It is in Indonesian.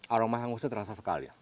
aroma hangusnya terasa sekali